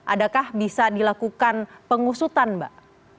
adakah bisa dilakukan pengusutan mbak